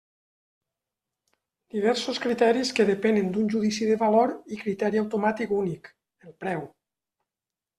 Diversos criteris que depenen d'un judici de valor i criteri automàtic únic: el preu.